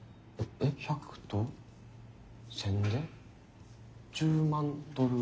え１００と１，０００で１０万ドル？